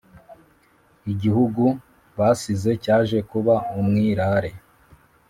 Igihugu basize cyaje kuba umwirare